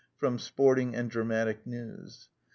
Sporting and Dramatic News.